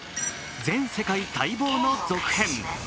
全世界待望の続編。